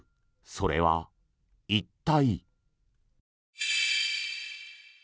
それは一体。